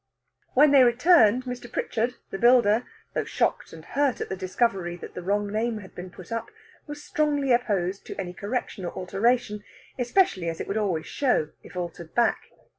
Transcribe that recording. When they returned, Mr. Prichard, the builder, though shocked and hurt at the discovery that the wrong name had been put up, was strongly opposed to any correction or alteration, especially as it would always show if altered back.